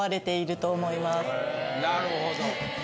なるほど。